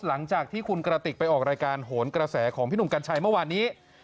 หลังจากที่คุณกระติกไปออกรายการโหนกระแสของพี่หนุ่มกัญชัยเมื่อวานนี้